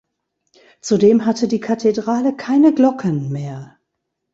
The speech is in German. Zudem hatte die Kathedrale keine Glocken mehr.